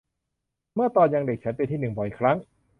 เมื่อตอนยังเด็กฉันเป็นที่หนึ่งบ่อยครั้ง